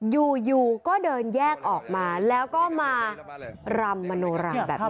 อยู่ก็เดินแยกออกมาแล้วก็มารำมโนราแบบนี้